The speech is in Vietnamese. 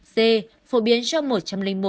d phổ biến cho một trăm linh một người trở lên